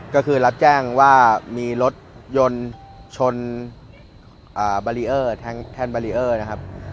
ก็คือรับแจ้งว่ามีรถยนต์ชนบารีเออร์แท่นบารีเออร์นะครับ